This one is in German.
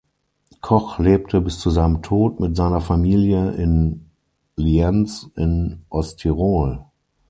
Koch lebte bis zu seinem Tod mit seiner Familie in Lienz in Osttirol.